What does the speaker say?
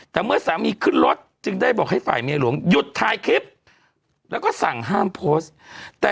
แต่เมื่อสามีขึ้นรถจึงได้บอกให้ฝ่ายเมียหลวงหยุดถ่ายคลิปแล้วก็สั่งห้ามโพสต์